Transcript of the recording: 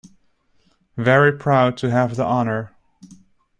Very proud to have the honour!